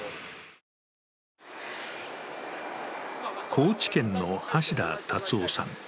高知県の橋田達夫さん。